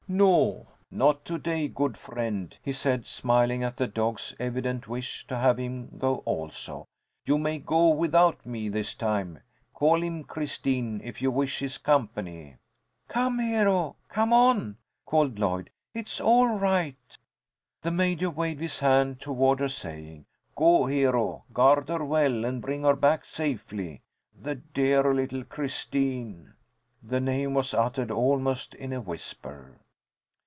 "No, not to day, good friend," he said, smiling at the dog's evident wish to have him go also. "You may go without me, this time. Call him, Christine, if you wish his company." "Come Hero, come on," called Lloyd. "It's all right." The Major waved his hand toward her, saying, "Go, Hero. Guard her well and bring her back safely. The dear little Christine!" The name was uttered almost in a whisper.